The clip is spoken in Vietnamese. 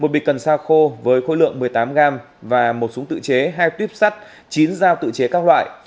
một bịch cần sa khô với khối lượng một mươi tám gram và một súng tự chế hai tuyếp sắt chín dao tự chế các loại